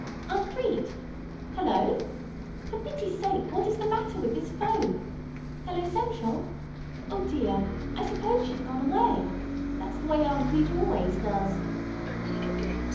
Aunt Crete! Hello! For pity's sake, what is the matter with this 'phone? Hello, central! O, dear! I suppose she's gone away. That's the way Aunt Crete always does!"